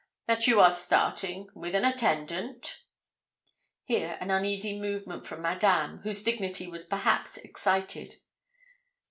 That you are starting with an attendant.' Here an uneasy movement from Madame, whose dignity was perhaps excited.